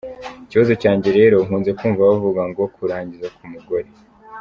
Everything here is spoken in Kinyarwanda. Ikibazo cyanjye rero: nkunze kumva bavuga ngo kurangiza k’umugore.